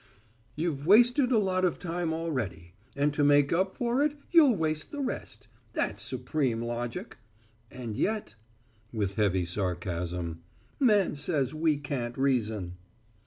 "You've wasted a lot of time already, and to make up for it you'll waste the rest. That's supreme logic. And yet," with heavy sarcasm, "man says we can't reason."